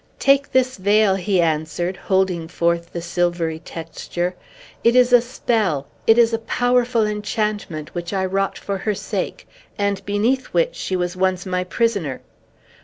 "Take this veil," he answered, holding forth the silvery texture. "It is a spell; it is a powerful enchantment, which I wrought for her sake, and beneath which she was once my prisoner.